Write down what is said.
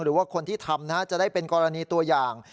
หรือว่าคนที่ทำจะได้เป็นกรณีตัวอย่าง